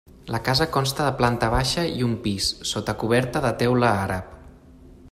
La casa consta de planta baixa i un pis, sota coberta de teula àrab.